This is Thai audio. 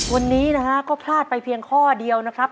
วันนี้นะฮะก็พลาดไปเพียงข้อเดียวนะครับ